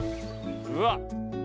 うわっ！